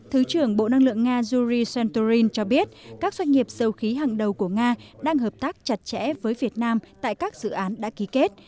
thứ trưởng bộ năng lượng nga juri sentorin cho biết các doanh nghiệp dầu khí hàng đầu của nga đang hợp tác chặt chẽ với việt nam tại các dự án đã ký kết